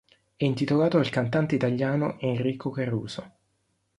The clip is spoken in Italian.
È intitolato al cantante italiano Enrico Caruso.